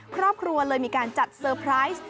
ครอบครัวเลยมีการจัดเซอร์ไพรส์